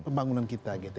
pembangunan kita gitu